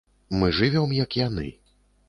Мы жывём як яны.